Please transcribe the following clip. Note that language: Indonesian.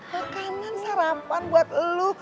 makanan sarapan buat lo